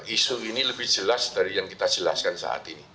isu ini lebih jelas dari yang kita jelaskan saat ini